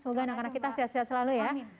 semoga anak anak kita sehat sehat selalu ya